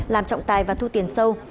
làm trọng tài và thu tiền sâu